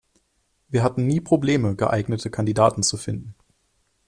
Wir hatten nie Probleme, geeignete Kandidaten zu finden.